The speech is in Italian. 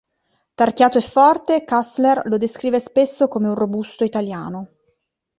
Tarchiato e forte, Cussler lo descrive spesso come un "robusto italiano".